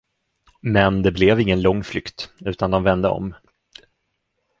Men det blev ingen lång flykt, utan de vände om.